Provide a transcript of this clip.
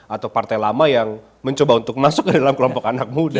atau partai lama yang mencoba untuk masuk ke dalam kelompok anak muda